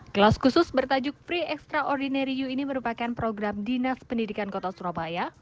kelas khusus bertajuk free extraordinary u ini merupakan program dinas pendidikan kota surabaya